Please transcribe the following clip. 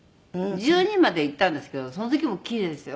１２まで行ったんですけどその時も奇麗でしたよ。